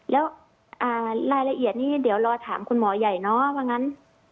แล้วรายละเอียดนี้เดี๋ยวรอถามคุณหมอใหญ่เนาะว่างั้น